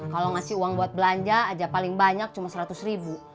kalau ngasih uang buat belanja aja paling banyak cuma seratus ribu